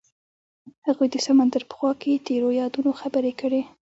هغوی د سمندر په خوا کې تیرو یادونو خبرې کړې.